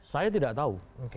saya tidak tahu